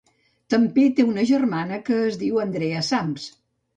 També té una germana que es diu Andrea Sams.